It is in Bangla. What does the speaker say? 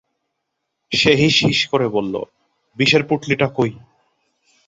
সে হিসহিস করে বলল, বিষের পুটলিটা কই?